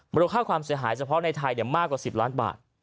มูลค่าความเสียหายเฉพาะในไทยมากกว่า๑๐ล้านบาท